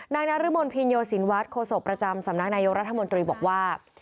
นางนาฬิมนต์พิญโยศิลวัฒน์โคโสประจำสำนักนายองรัฐมนตรีบอกว่า